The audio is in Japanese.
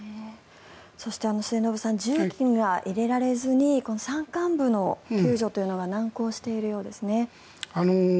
そして、末延さん重機が入れられずに山間部の救助というのが難航しているようですね。